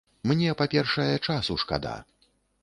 Мне, па-першае, часу шкада.